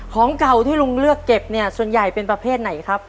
ของเก่าที่ลุงเลือกเก็บเนี่ยส่วนใหญ่เป็นประเภทไหนครับ